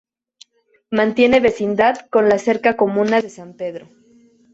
Mantiene vecindad con la cerca comuna de San pedro.